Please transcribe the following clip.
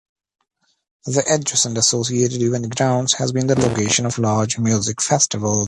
The adjacent associated event grounds has been the location of large music festivals.